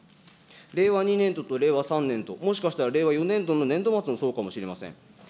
令和２年度と令和３年と、もしかしたら令和４年の年度末もそうかもしれません。